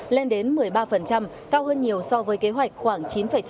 lên đến một mươi ba cao hơn nhiều so với kế hoạch khoảng chín sáu